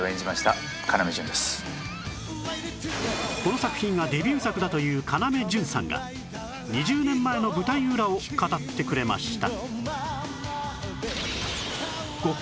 この作品がデビュー作だという要潤さんが２０年前の舞台裏を語ってくれました